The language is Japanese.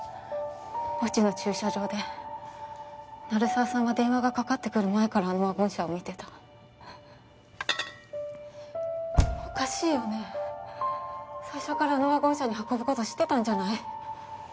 墓地の駐車場で鳴沢さんは電話がかかってくる前からあのワゴン車を見てたおかしいよね最初からあのワゴン車に運ぶこと知ってたんじゃない？